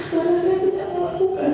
maka saya tidak melakukan